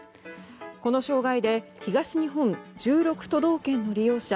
この障害で東日本１６都道県の利用者